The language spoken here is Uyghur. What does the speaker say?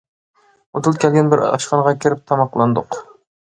ئۇدۇل كەلگەن بىر ئاشخانىغا كىرىپ تاماقلاندۇق.